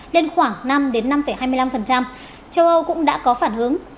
lên khoảng năm năm hai mươi năm phần trăm châu âu cũng đã có phản hứng